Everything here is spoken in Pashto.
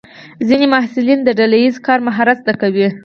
ځینې محصلین د ډله ییز کار مهارت زده کوي.